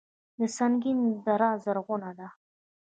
د سنګین دره زرغونه ده